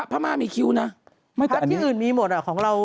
พระที่อื่นมีหมดน่ะของเรา